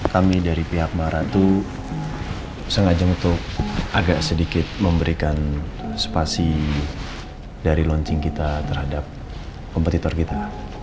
kami dari pihak maratu sengaja untuk agak sedikit memberikan spasi dari launching kita terhadap kompetitor kita